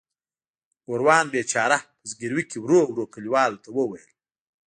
ګوروان بیچاره په زګیروي کې ورو ورو کلیوالو ته وویل.